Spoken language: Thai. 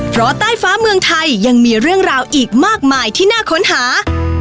เพราะใต้ฟ้าเมืองไทยยังมีเรื่องราวอีกมากมายที่น่าค้นหา